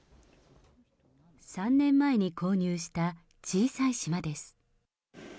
３年前に購入した小さい島です。